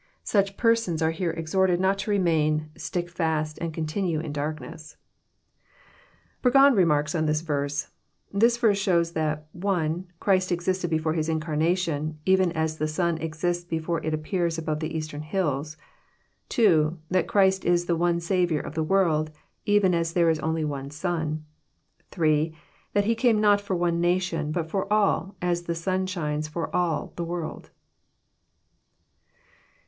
Such per* 878 EXPOsrroET thoughts. sons are here exhorted not to remain, stick fast, and continue is darkness. Burgon remarks on this verse :This verse shows that (1) Christ existed before His incarnation, even as the sun exists be fore it appears above the eastern hills ; (2) that Christ is the one Saviour of the world, even as there is only one sun ; (3) that He came not for one nation, but for all, as the sun shines for all the world."